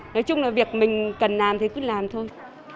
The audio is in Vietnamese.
nói chung là việc mình cần làm thì cứ làm thôi